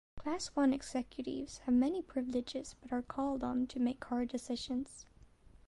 Class One Executives have many privileges but are called on to make hard decisions.